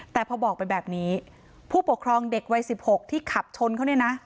แต่พอบอกไปแบบนี้ผู้ปกครองเด็กวัย๑๖ที่ขับชนเขาเนี่ยนะ